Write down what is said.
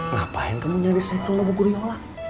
ngapain kamu nyari saya ke rumah bu guru yola